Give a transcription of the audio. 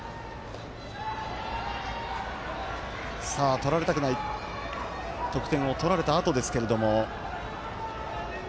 取られたくない得点を取られたあとですけれども。